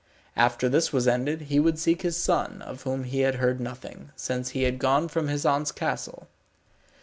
After this was ended he would seek his son, of whom he had heard nothing, since he had gone from his aunt's castle.